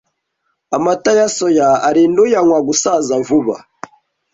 Amata ya soya arinda uyanywa gusaza vuba,